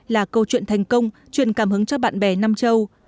là câu chuyện thành công truyền cảm hứng cho bạn bè nam châu